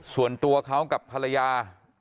ส่วนตัวเขากับภรรยา